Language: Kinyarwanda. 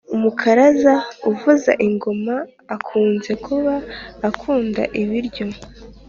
Umukaraza uvuza ingoma akunze kuba akunda ibiryo